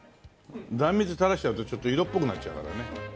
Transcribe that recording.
壇蜜垂らしちゃうとちょっと色っぽくなっちゃうからね。